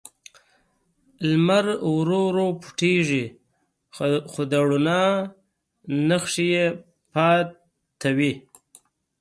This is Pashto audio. لمر ورو ورو پټیږي، خو د رڼا نښې یې پاتې وي.